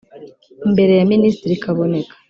Imbere ya Minisitiri Kaboneka